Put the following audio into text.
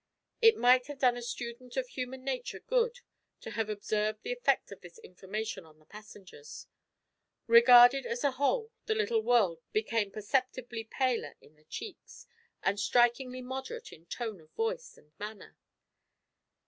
It might have done a student of human nature good to have observed the effect of this information on the passengers. Regarded as a whole the little world became perceptibly paler in the cheeks, and strikingly moderate in tone of voice and manner.